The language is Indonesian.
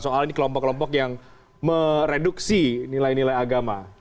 soal ini kelompok kelompok yang mereduksi nilai nilai agama